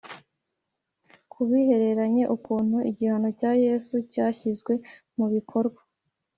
Ku bihereranye n ukuntu igihano cya Yesu cyashyizwe mu bikorwa